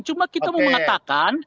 cuma kita mau mengatakan